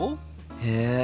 へえ。